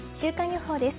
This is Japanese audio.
週間予報です。